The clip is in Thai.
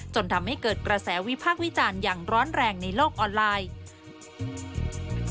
จนทำให้เกิดกระแสวิพากษ์วิจารณ์อย่างร้อนแรงในโลกออนไลน์